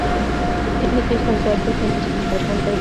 তিনি যেসব গল্প শুনেছেন তার পুনর্বিন্যাস।